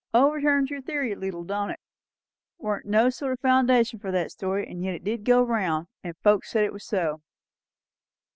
Overturns your theory a leetle, don't it? Warn't no sort o' foundation for that story; and yet it did go round, and folks said it was so."